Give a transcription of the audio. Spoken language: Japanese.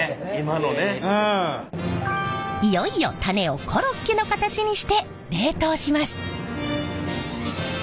いよいよタネをコロッケの形にして冷凍します。